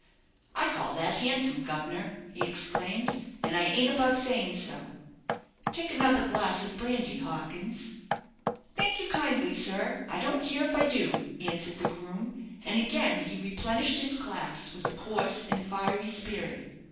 "I call that handsome, guv'nor," he exclaimed, "and I ain't above saying so." "Take another glass of brandy, Hawkins." "Thank you kindly, sir; I don't care if I do," answered the groom; and again he replenished his glass with the coarse and fiery spirit.